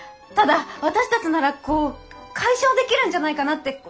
ただ私たちなら解消できるんじゃないかなって。